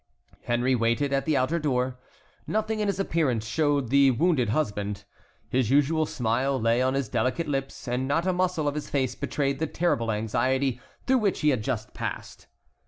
Henry waited at the outer door. Nothing in his appearance showed the wounded husband. His usual smile lay on his delicate lips, and not a muscle of his face betrayed the terrible anxiety through which he had just passed.